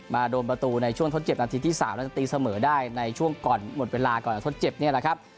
โดนประตูในช่วงทดเจ็บนาทีที่๓แล้วจะตีเสมอได้ในช่วงก่อนหมดเวลาก่อนทดเจ็บนี่แหละครับ